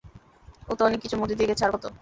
ও তো অনেক কিছুর মধ্যে দিয়ে গেছে, আর কত?